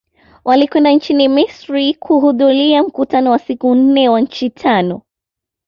Walikwenda nchini Misri kuhudhuria mkutano wa siku nne wa nchi tano